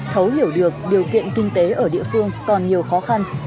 thấu hiểu được điều kiện kinh tế ở địa phương còn nhiều khó khăn